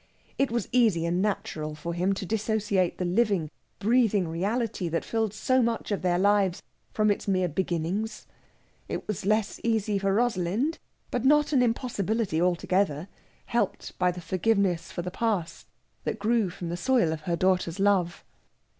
It was easy and natural for him to dissociate the living, breathing reality that filled so much of their lives from its mere beginnings. It was less easy for Rosalind, but not an impossibility altogether, helped by the forgiveness for the past that grew from the soil of her daughter's love.